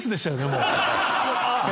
もう。